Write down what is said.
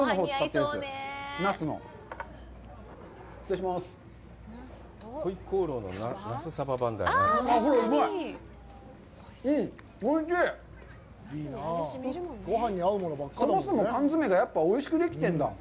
そもそも缶詰がやっぱりおいしくできてるんだ？